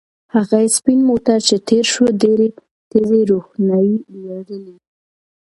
هغه سپین موټر چې تېر شو ډېرې تیزې روښنایۍ لرلې.